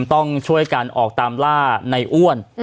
ต้องช่วยกันออกตามล่าในอ้วน